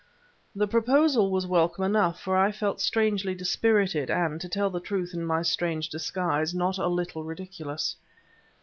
The proposal was welcome enough, for I felt strangely dispirited, and, to tell the truth, in my strange disguise, not a little ridiculous.